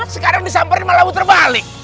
sekarang disamperin malah putar balik